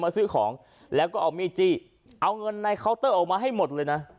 ซื้อของแล้วก็เอามีดจี้เอาเงินในเคาน์เตอร์ออกมาให้หมดเลยนะ